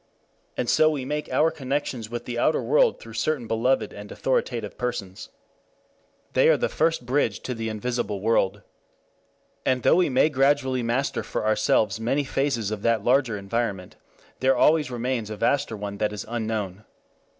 And so we make our connections with the outer world through certain beloved and authoritative persons. They are the first bridge to the invisible world. And though we may gradually master for ourselves many phases of that larger environment, there always remains a vaster one that is unknown.